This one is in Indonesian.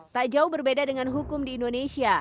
tak jauh berbeda dengan hukum di indonesia